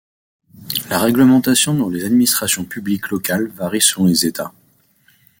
La réglementation dans les administrations publiques locales varie selon les États.